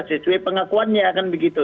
sesuai pengakuannya akan begitu